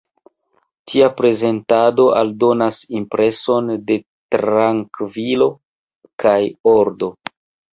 Tia prezentado aldonas impreson de trankvilo kaj ordo.